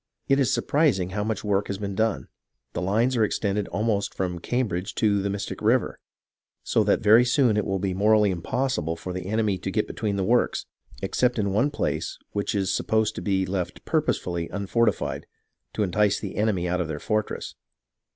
It is surprising how much work has been done. The lines are extended almost from THE CONTINENTAL SOLDIERS 7 1 Cambridge to the Mystic River ; so that very soon it will be morally impossible for the enemy to get between the works, except in one place which is supposed to be left purposely unfortified, to entice the enemy out of their fortresses.